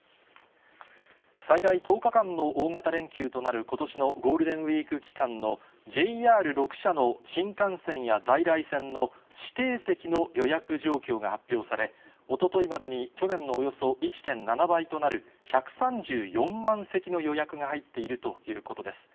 最大１０日間の大型連休となることしのゴールデンウィーク期間のＪＲ６社の新幹線や在来線の指定席の予約状況が発表され、おとといまでに去年のおよそ１．７倍となる、１３４万席の予約が入っているということです。